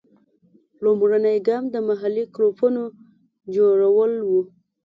لومړنی ګام د محلي کلوپونو جوړول وو.